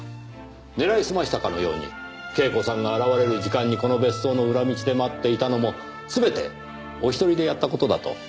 狙いすましたかのように恵子さんが現れる時間にこの別荘の裏道で待っていたのも全てお一人でやった事だと？